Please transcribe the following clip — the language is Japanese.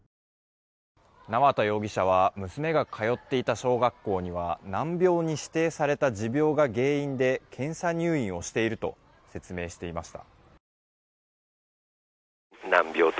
縄田容疑者は娘が通っていた小学校には難病に指定された持病が原因で検査入院をしていると説明していました。